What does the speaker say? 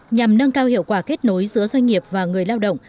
nhằm nâng cao hiệu quả kết nối giữa doanh nghiệp và người lao động